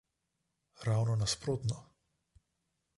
Ravno nasprotno.